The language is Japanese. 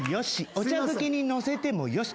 お茶漬けにのせてもよし。